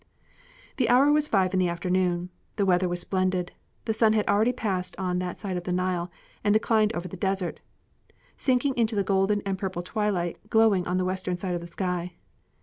The hour was five in the afternoon. The weather was splendid. The sun had already passed on that side of the Nile and declined over the desert, sinking into the golden and purple twilight glowing on the western side of the sky.